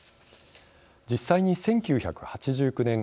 実際に１９８９年